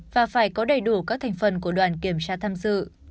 và phải có đầy đủ các thành phần của đoàn kiểm tra tham dự